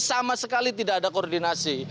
sama sekali tidak ada koordinasi